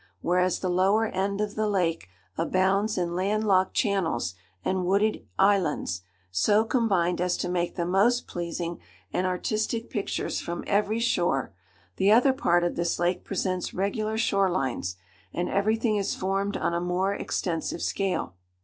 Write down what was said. Whereas the lower end of the lake abounds in land locked channels and wooded islands, so combined as to make the most pleasing and artistic pictures from every shore, the other part of this lake presents regular shore lines, and everything is formed on a more extensive scale.